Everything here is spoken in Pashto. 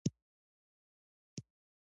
ایا ستاسو هټۍ به خلاصیږي؟